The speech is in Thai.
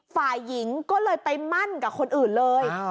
ฝ่ายหญิงก็เลยไปมั่นกับคนอื่นเลย